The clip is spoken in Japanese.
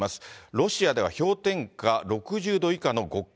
ロシアでは氷点下６０度以下の極寒。